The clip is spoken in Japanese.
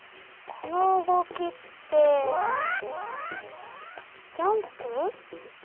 この動きってジャンプ？